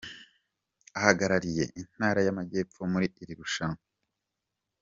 Ahagarariye intara y’Amajyepfo muri iri rushanwa.